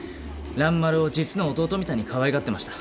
蘭丸を実の弟みたいにかわいがってました。